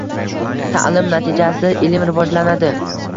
Ta’lim natijasida ilm rivojlanadi